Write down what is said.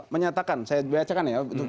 menyatakan saya belajarkan ya